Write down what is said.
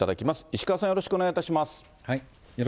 石川さん、よろしくお願いいたします。